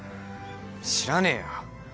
知らねえよ。